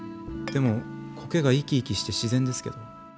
でも苔が生き生きして自然ですけど。